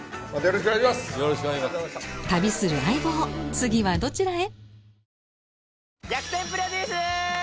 次はどちらへ？